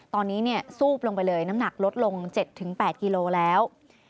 ตอนนี้ซูบลงไปเลยน้ำหนักลดลง๗๘กิโลแล้ว